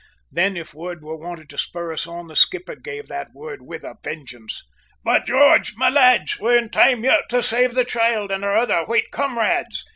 Then if word were wanted to spur us on, the skipper gave that word with a vengeance! "By George! my lads, we're in time yet to save the child and our other white comrades!"